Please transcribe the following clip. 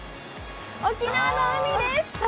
沖縄の海です。